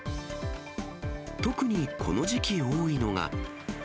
特にこの時期多いのが。